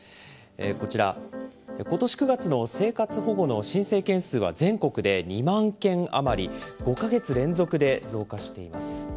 こちら、ことし９月の生活保護の申請件数は全国で２万件余り、５か月連続で増加しています。